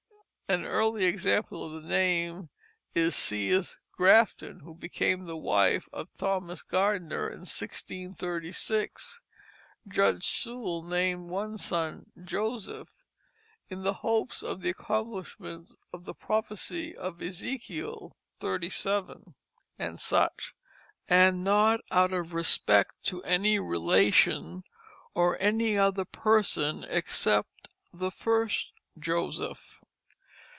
An early example of the name is Seeth Grafton, who became the wife of Thomas Gardner in 1636. Judge Sewall named one son Joseph, "In hopes of the accomplishment of the Prophecy of Ezekiel xxxvii. and such; and not out of respect to any Relation or any other Person except the first Joseph."